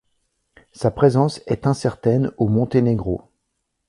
Sa présence est incertaine au Monténégro.